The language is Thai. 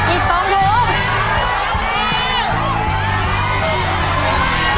อีกสองถุง